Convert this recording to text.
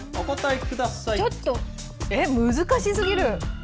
ちょっと、え、難しすぎる。